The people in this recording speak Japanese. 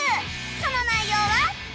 その内容は